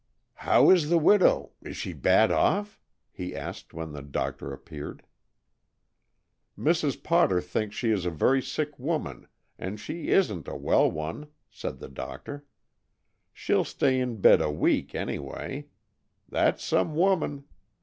"How is the widow? Is she bad off?" he asked when the doctor appeared. "Mrs. Potter thinks she is a very sick woman, and she isn't a well one," said the doctor. "She'll stay in bed a week, anyway. That's some woman.